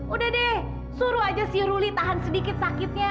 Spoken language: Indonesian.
udah deh suruh aja si ruli tahan sedikit sakitnya